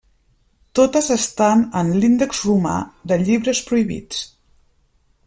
Totes estan en l'Índex romà de llibres prohibits.